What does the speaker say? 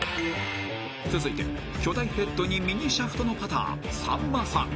［続いて巨大ヘッドにミニシャフトのパターさんまさん］